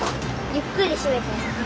ゆっくり閉めてね。